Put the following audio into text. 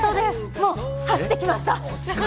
もう走ってきました。